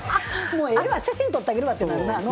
もうええわ写真撮ったげるわってなるな。